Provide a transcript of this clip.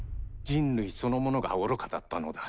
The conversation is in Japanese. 人類そのものが愚かだったのだ。